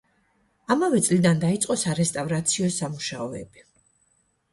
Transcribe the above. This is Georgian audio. ამავე წლიდან დაიწყო სარესტავრაციო სამუშაოები.